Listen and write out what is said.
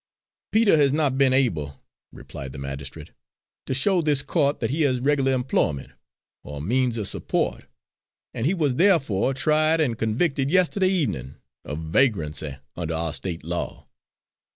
"Peter has not been able," replied the magistrate, "to show this co't that he has reg'lar employment, or means of suppo't, and he was therefore tried and convicted yesterday evenin' of vagrancy, under our State law.